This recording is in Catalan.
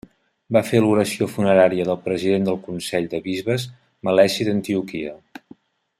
Va fer l'oració funerària del president del consell de bisbes Meleci d'Antioquia.